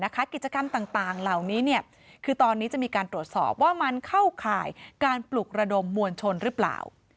กิจกรรมต่างเหล่านี้คือตอนนี้จะมีการตรวจสอบว่ามันเข้าข่ายการปลุกระดมมวลชนหรือเปล่า